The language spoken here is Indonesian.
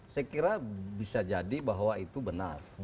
saya kira bisa jadi bahwa itu benar